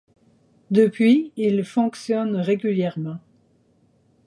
Depuis, il fonctionne régulièrement.